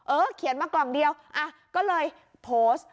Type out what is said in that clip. เขียนมากล่องเดียวก็เลยโพสต์